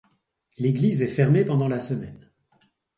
L'église est fermée pendant la semaine.